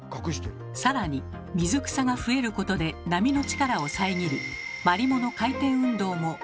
更に水草が増えることで波の力を遮りマリモの回転運動も弱めてしまいます。